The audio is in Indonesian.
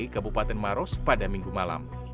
kabupaten maros pada minggu malam